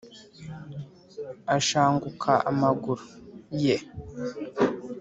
ashanguka amaguru.ye